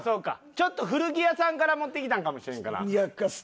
ちょっと古着屋さんから持ってきたんかもしれんから。